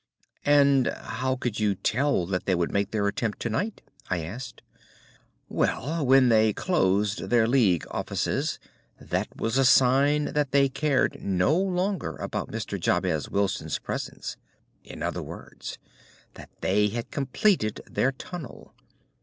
"And how could you tell that they would make their attempt to night?" I asked. "Well, when they closed their League offices that was a sign that they cared no longer about Mr. Jabez Wilson's presence—in other words, that they had completed their tunnel.